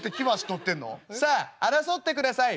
「さあ争ってください。